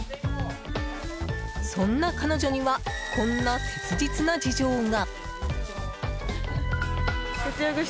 そんな彼女にはこんな切実な事情が。